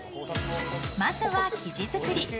まずは生地作り。